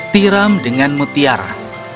tiram dengan mutiara